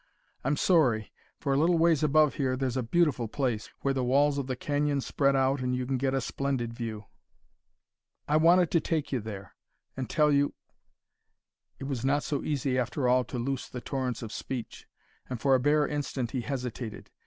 I'm sorry, for a little ways above here there's a beautiful place, where the walls of the canyon spread out and you get a splendid view. I wanted to take you there, and tell you " It was not so easy after all, to loose the torrents of speech, and for a bare instant he hesitated.